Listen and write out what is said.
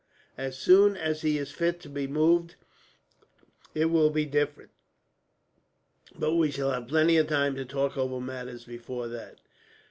As soon as he is fit to be moved, it will be different; but we shall have plenty of time to talk over matters before that.